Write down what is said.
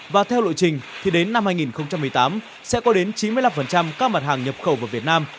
và theo lộ trình thì đến năm hai nghìn một mươi tám sẽ có đến chín mươi năm các mặt hàng nhập khẩu vào việt nam